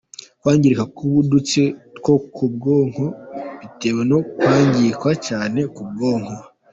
kwangirika k’udutsi two mu bwonko bitewe no kwikanga cyane k’ubwonko.